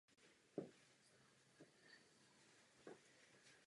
Hora se nachází na území Krkonošského národního parku.